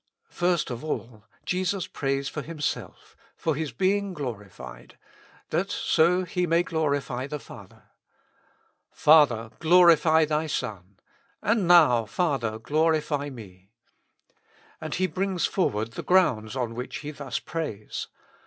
First of all, Jesus prays for Himself, for His being glorified, that so He may glorify the Father. " Fa ther ! glorify Thy Son. And now, Father, glorify me." And He brings forward the grounds on which He thus prays.